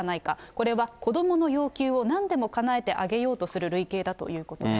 これは子どもの要求をなんでもかなえてあげようとする類型だということです。